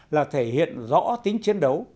là thể hiện rõ tính chiến đấu